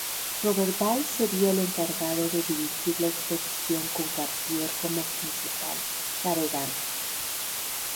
Roberval sería el encargado de dirigir la expedición con Cartier como principal navegante.